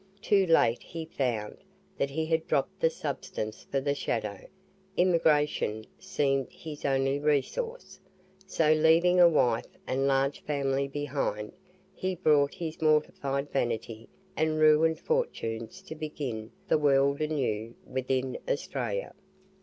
Too late he found that he had dropped the substance for the shadow; emigration seemed his only resource; so leaving a wife and large family behind, he brought his mortified vanity and ruined fortunes to begin the world anew with in Australia.